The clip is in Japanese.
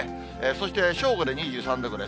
そして正午で２３度ぐらい。